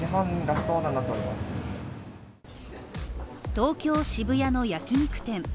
東京・渋谷の焼き肉店。